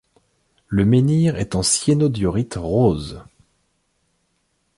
Le menhir est en syéno-diorite rose.